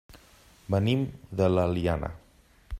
Venim de l'Eliana.